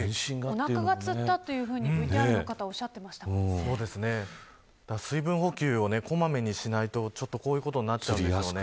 おなかがつったというふうにＶＴＲの方水分補給を小まめにしないとこういうことになっちゃうんでしょうね。